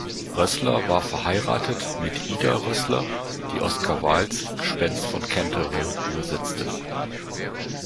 Roessler war verheiratet mit Ida Roessler, die Oscar Wildes "Gespenst von Canterville" übersetzte.